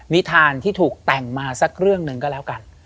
ทานที่ถูกแต่งมาสักเรื่องหนึ่งก็แล้วกัน